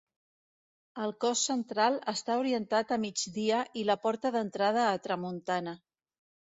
El cos central està orientat a migdia i la porta d'entrada a tramuntana.